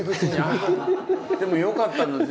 あでもよかった。